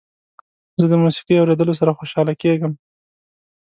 زه د موسيقۍ اوریدلو سره خوشحاله کیږم.